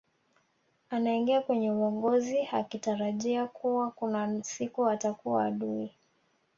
anaingia kwenye uongozi hakitarajia kuwa kuna siku atakua adui